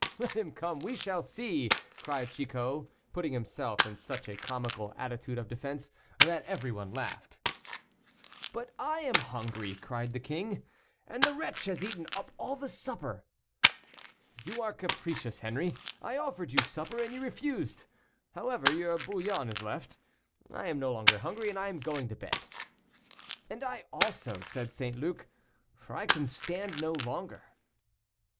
let him come, we shall see!" cried Chicot, putting himself in such a comical attitude of defense that every one laughed. "But I am hungry," cried the king; "and the wretch has eaten up all the supper." "You are capricious, Henri; I offered you supper and you refused. However, your bouillon is left; I am no longer hungry, and I am going to bed." "And I also," said St. Luc, "for I can stand no longer."